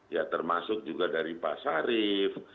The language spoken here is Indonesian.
ya termasuk juga dari pak sarif